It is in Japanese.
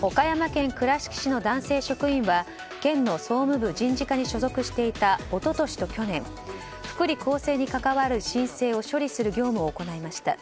岡山県倉敷市の男性職員は県の総務部人事課に所属していた一昨年と去年福利厚生に関わる申請を処理する業務を行いました。